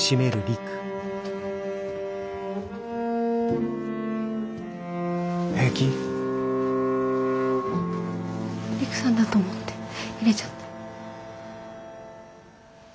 陸さんだと思って入れちゃって。